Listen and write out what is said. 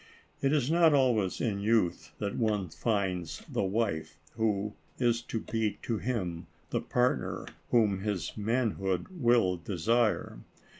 It is not always in youth that one finds the wife who is to be to him the partner whom his manhood will desire.